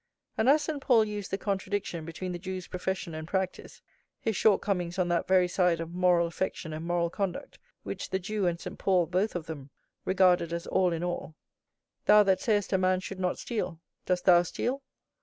And as St. Paul used the contradiction between the Jew's profession and practice, his shortcomings on that very side of moral affection and moral conduct which the Jew and St. Paul, both of them, regarded as all in all ("Thou that sayest a man should not steal, dost thou steal?